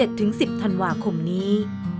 โปรดติดตามตอนต่อไป